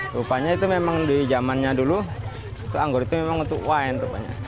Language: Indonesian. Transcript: rupanya itu memang di zamannya dulu itu anggur itu memang untuk wine rupanya